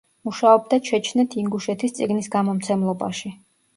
მუშაობდა ჩეჩნეთ–ინგუშეთის წიგნის გამომცემლობაში.